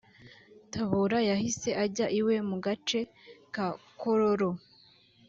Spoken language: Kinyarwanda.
Tabura yahise ajya iwe mu gace ka Kololo